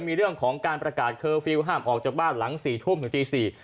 มีเรื่องของการประกาศเคอร์ฟิลล์ห้ามออกจากบ้านหลัง๔ทุ่มถึงตี๔